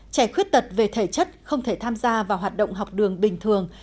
trẻ khuyết tật về thể chất không thể tham gia vào hoạt động học đường bình thường